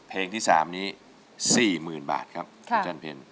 เพลงที่สามนี้สี่หมื่นบาทครับคุณจันเพลง